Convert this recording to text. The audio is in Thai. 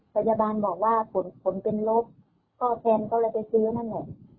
พยาบาลบอกว่าผลผลเป็นลบพ่อแคนก็เลยไปซื้อนั่นแหละ